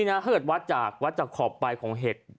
ถ้าเกิดวัดจากขอบไปของเห็ด